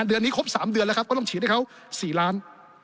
เดือนนี้ครบ๓เดือนแล้วครับก็ต้องฉีดให้เขา๔ล้าน